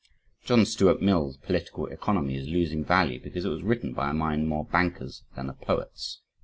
John Stuart Mill's political economy is losing value because it was written by a mind more "a banker's" than a "poet's."